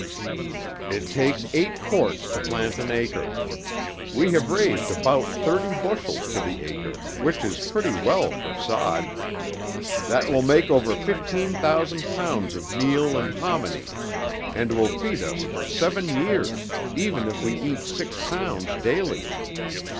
"It takes eight quarts to plant an acre. We have raised about thirty bushels to the acre, which is very well for sod. That will make over fifteen thousand pounds of meal and hominy, and will feed us for seven years, even if we eat six pounds daily.